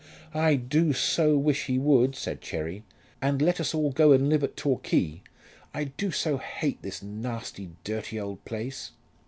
"I do so wish he would," said Cherry, "and let us all go and live at Torquay. I do so hate this nasty dirty old place."